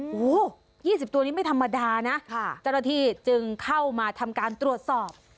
โอ้โห๒๐ตัวนี้ไม่ธรรมดานะเจ้าหน้าที่จึงเข้ามาทำการตรวจสอบ